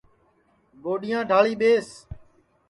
گوڈِؔیاں ڈؔݪی ٻیس